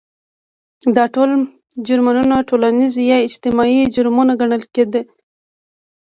دا ټول جرمونه ټولنیز یا اجتماعي جرمونه ګڼل کېدل.